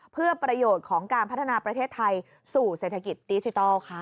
เพื่อประโยชน์ของการพัฒนาประเทศไทยสู่เศรษฐกิจดิจิทัลค่ะ